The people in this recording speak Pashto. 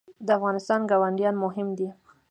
د افغانستان ګاونډیان مهم دي